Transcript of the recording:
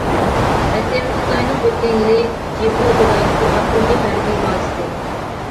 رەسىم: خىتاينىڭ ئۆتكەن يىلى جىبۇتىدا قۇرغان تۇنجى ھەربىي بازىسى.